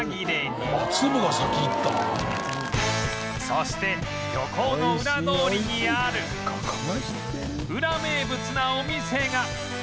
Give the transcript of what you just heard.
そして漁港のウラ通りにあるウラ名物なお店が